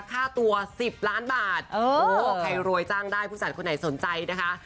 ค่าตัว๑๐ล้านบาทโอ้โหใครรวยจ้างได้ผู้จัดคนไหนสนใจนะคะ